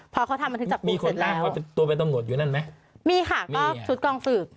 พอเขาทำบันทึกจับภาพมีคนอ้างว่าตัวเป็นตำรวจอยู่นั่นไหมมีค่ะก็ชุดกองสืบ